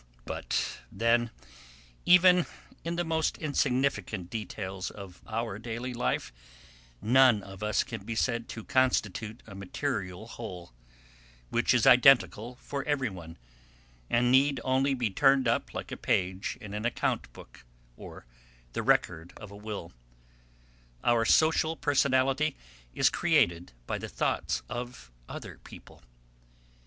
But then, even in the most insignificant details of our daily life, none of us can be said to constitute a material whole, which is identical for everyone, and need only be turned up like a page in an account book or the record of a will; our social personality is created by the thoughts of other people.